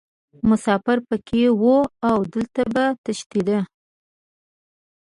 مسافر پکې وو او دلته به تشیده.